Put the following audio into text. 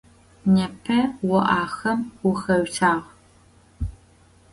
Непэ о ахэм уахэуцуагъ.